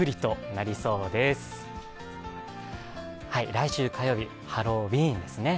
来週火曜日、ハロウィーンですね。